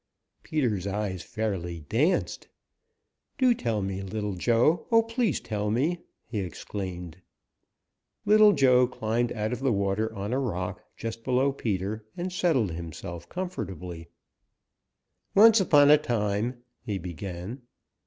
Peter's eyes fairly danced. "Do tell me, Little Joe! Oh, please tell me!" he exclaimed. Little Joe climbed out of the water on a rock just below Peter and settled himself comfortably. "Once upon a time," he began.